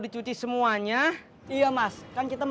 ini uang buat jajan kamu